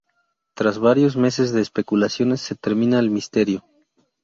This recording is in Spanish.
Tras varios meses de especulaciones, se termina el misterio.